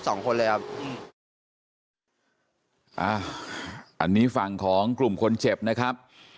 สองคนเลยครับอ่าอันนี้ฝั่งของกลุ่มคนเจ็บนะครับ